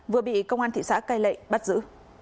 vừa bị công an thị xã cai lệ bắt giữ